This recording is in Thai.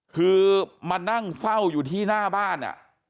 คือมานั่งเฝ้าอยู่ที่หน้าบ้าน